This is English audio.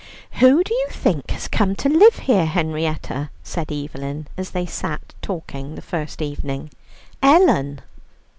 "Who do you think has come to live here, Henrietta?" said Evelyn, as they sat talking the first evening. "Ellen."